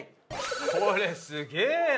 これすげえな！